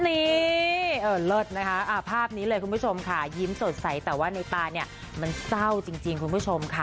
นี่เลิศนะคะภาพนี้เลยคุณผู้ชมค่ะยิ้มสดใสแต่ว่าในตาเนี่ยมันเศร้าจริงคุณผู้ชมค่ะ